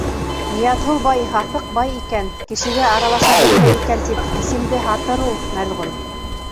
Ныязғол бай һаҫыҡ бай икән, кешегә аралаша белмәй икән тип, исемде һатыр ул, мәлғүн.